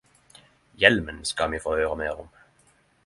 Hjelmen skal vi få høyre meir om.